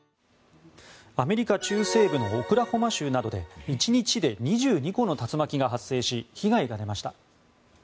アメリカ中西部のオクラホマ州などで１日で２２個の竜巻が発生し被害が出ました。